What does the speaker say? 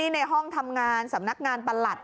ในห้องทำงานสำนักงานประหลัด